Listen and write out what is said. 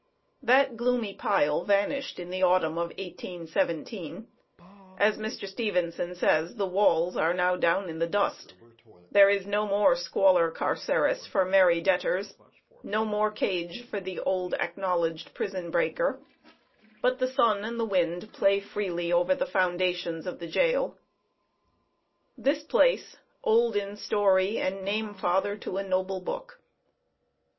That gloomy pile vanished in the autumn of 1817; as Mr. Stevenson says, "the walls are now down in the dust; there is no more squalor carceris for merry debtors, no more cage for the old acknowledged prison breaker; but the sun and the wind play freely over the foundations of the gaol;" this place, "old in story and name father to a noble book."